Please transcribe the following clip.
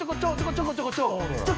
ちょこちょこちょちょ